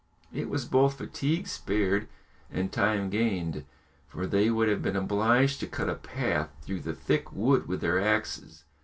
It was both fatigue spared and time gained, for they would have been obliged to cut a path through the thick wood with their axes.